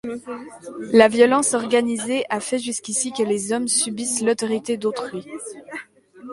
La violence organisée a fait jusqu’ici que les hommes subissent l’autorité d’autrui.